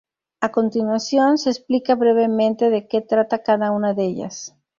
A continuación, se explica brevemente de que trata cada una de ellas.